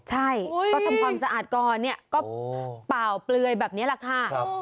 ใช่เค้าทำความสะอาดก็เป่าเปลือยแบบนี้แหละค่ะ